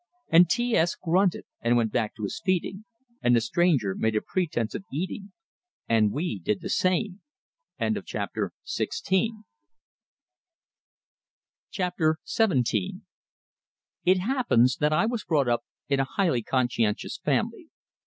And T S grunted, and went back to his feeding; and the stranger made a pretense of eating, and we did the same. XVII It happens that I was brought up in a highly conscientious family.